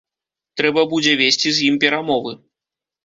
Трэба будзе весці з ім перамовы.